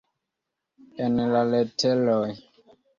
En la leteroj.